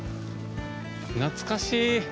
懐かしい。